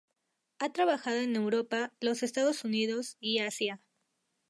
Ha trabajado en Europa, los Estados Unidos y Asia.